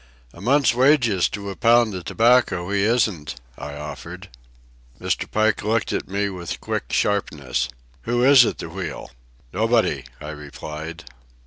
"A month's wages to a pound of tobacco he isn't," I offered. Mr. Pike looked at me with quick sharpness. "Who is at the wheel?" "Nobody," I replied.